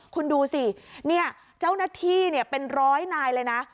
คุณดูสิเนี่ยเจ้าหน้าที่เป็นร้อยนายเลยนะ